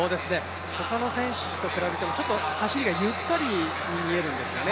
他の選手と比べてもちょっと走りがゆったりに見えるんですよね。